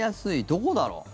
どこだろう？